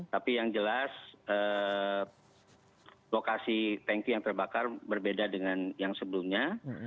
tapi yang jelas lokasi tanki yang terbakar berbeda dengan yang sebelumnya